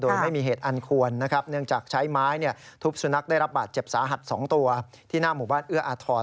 เนื่องจากใช้ไม้ทุบสุนัขได้รับบาดเจ็บสาหัส๒ตัวที่หน้าหมู่บ้านเอื้ออาทร